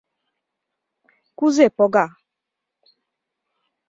Кузе пога?